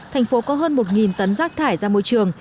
thành phố có hơn một tấn rác thải ra môi trường